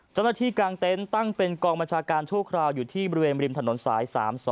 เจ้าหน้าที่กลางเต็นต์ตั้งเป็นกองประชาการโชคราวอยู่ที่บริเวณริมถนนสาย๓๒๓